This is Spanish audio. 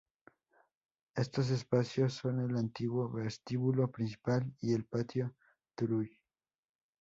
Estos espacios son el antiguo vestíbulo principal y el patio Turull.